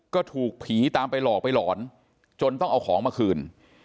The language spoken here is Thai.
ก็ถูกผีตามไปหลอกไปหลอนจนต้องเอาของมาคืน